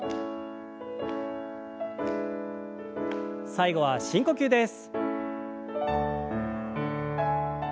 最後は深呼吸です。